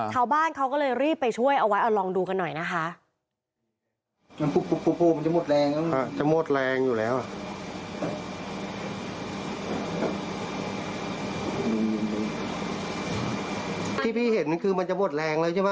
ชาวบ้านเขาก็เลยรีบไปช่วยเอาไว้เอาลองดูกันหน่อยนะคะ